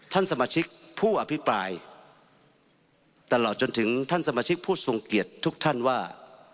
ท่านสมาชิกผู้อภิปรายตลอดจนถึงท่านสมาชิกผู้ทรงเกียจทุกท่านว่า